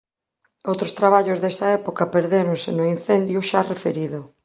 Outros traballos desa época perdéronse no incendio xa referido.